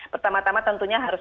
pertama tama tentunya harus